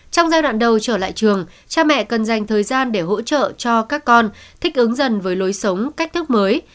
trong giai đoạn đầu trở lại trường cha mẹ cần dành thời gian để hỗ trợ cho các con thích ứng dần với lối sống cách thức mới